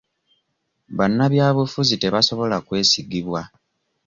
Bannabyabufuzi tebasobola kwesigibwa,